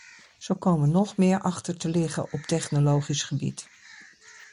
Zo komen we nog meer achter te liggen op technologisch gebied.